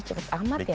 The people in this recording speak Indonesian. ini cepat amat ya